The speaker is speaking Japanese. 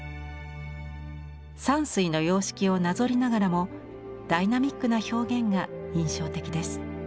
山水の様式をなぞりながらもダイナミックな表現が印象的です。